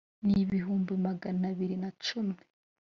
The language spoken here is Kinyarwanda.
n ibihumbi magana abiri na cumi